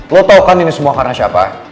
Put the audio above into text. lo tau kan ini semua karena siapa